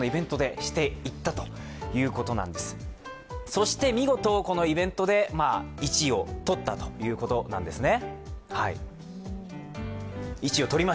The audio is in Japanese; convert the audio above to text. そして見事、このイベントで１位を取ったということなんですね。